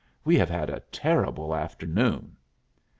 We have had a terrible afternoon."